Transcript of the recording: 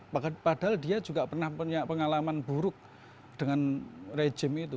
padahal dia juga pernah punya pengalaman buruk dengan rejim itu